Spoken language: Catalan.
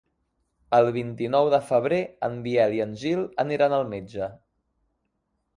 El vint-i-nou de febrer en Biel i en Gil aniran al metge.